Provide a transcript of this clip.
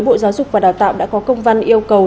bộ giáo dục và đào tạo đã có công văn yêu cầu